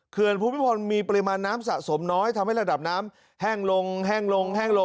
เขื่อนพุมิพพรมีปริมาณน้ำสะสมน้อยทำให้ระดับน้ำแห้งลง